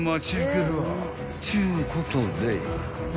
［ちゅうことで］